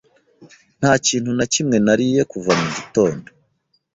Nta kintu na kimwe nariye kuva mu gitondo.